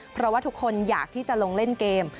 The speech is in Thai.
เพราะว่าทุกคนอยากที่จะลงเล่นเกม